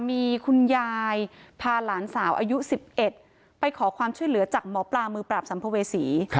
มีคุณยายพาหลานสาวอายุ๑๑ไปขอความช่วยเหลือจากหมอปลามือปราบสัมภเวษี